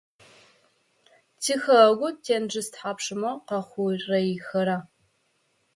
Тихэгъэгу тенджыз тхьапшмэ къаухъурэихьэра?